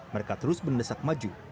mereka terus mendesak maju